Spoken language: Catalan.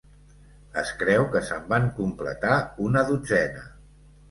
Es creu que se'n van completar una dotzena.